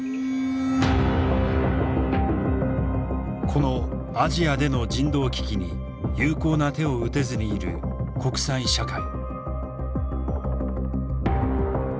このアジアでの人道危機に有効な手を打てずにいる国際社会。